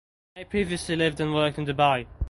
They previously lived and worked in Dubai.